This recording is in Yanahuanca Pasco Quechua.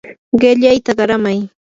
qillayta qaramay.